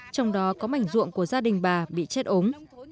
trong đó có mảnh ruộng của gia đình bà bị chết ốm